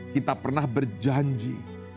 kita pernah berjanji